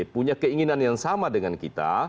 punya keinginan yang sama dengan kita